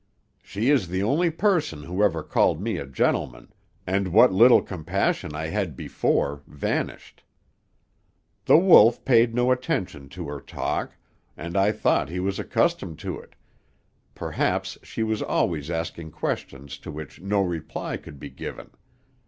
"She is the only person who ever called me a gentleman, and what little compassion I had before vanished. "The Wolf paid no attention to her talk, and I thought he was accustomed to it; perhaps she was always asking questions to which no reply could be given.